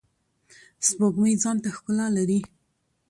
سپوږمۍ ځانته ښکلا لری.